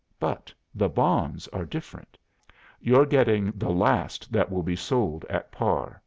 But the bonds are different. You're getting the last that will be sold at par.